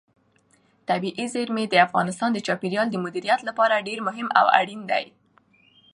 طبیعي زیرمې د افغانستان د چاپیریال د مدیریت لپاره ډېر مهم او اړین دي.